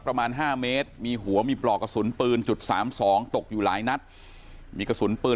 ประมาณ๕เมตรมีหัวมีปลอกกระสุนปืนจุดสามสองตกอยู่หลายนัดมีกระสุนปืน